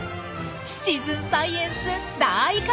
シチズンサイエンス大活躍！